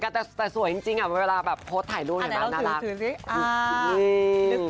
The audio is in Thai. แต่สวยจริงอะเวลาโพสต์ถ่ายรูปเห็นน่ารัก